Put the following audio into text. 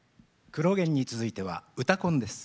「クロ現」に続いては「うたコン」です。